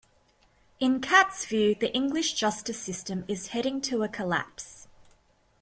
In Catt's view the English justice system is heading to a collapse.